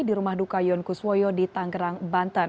di rumah duka yon kuswoyo di tanggerang banten